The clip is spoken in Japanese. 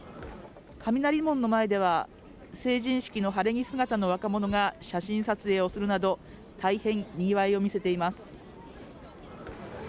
雷門の前では、成人式の晴れ着姿の若者が写真撮影をするなど、大変にぎわいを見せています。